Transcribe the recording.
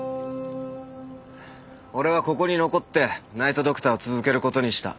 俺はここに残ってナイト・ドクターを続けることにした。